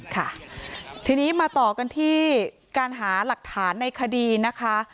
ค่ะทีนี้มาต่อกันที่การหาหลักฐานในคดีนะคะ